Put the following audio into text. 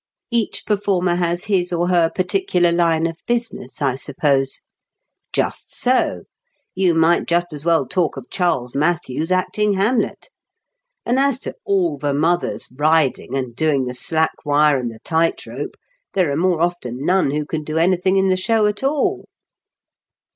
" Each performer has his or her particular line of business, I suppose ?" "Just so. You might just as well talk of Charles Mathews acting Hamlet. And as to * all the mothers ' riding and doing the slack wire and the tight rope, there are more often none who can do anything in the show at all.